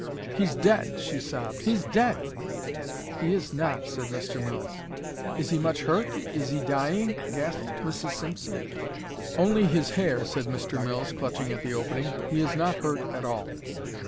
"He's dead!" she sobbed. "He's dead!" "He is not," said Mr. Mills. "Is he much hurt? Is he dying?" gasped Mrs. Simpson. "Only his hair," said Mr. Mills, clutching at the opening. "He is not hurt at all."